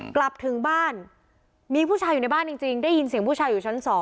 กลับถึงบ้านมีผู้ชายอยู่ในบ้านจริงได้ยินเสียงผู้ชายอยู่ชั้น๒